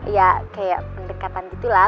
ya kayak pendekatan gitu lah